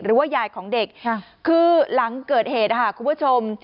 หรือว่ายายของเด็กคือหลังเกิดเหตุคุณผู้ชม